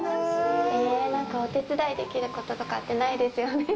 なんかお手伝いできることとかってないですよね。